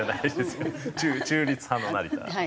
中立派の成田。